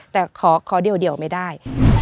แต่ขอเดียวไม่ได้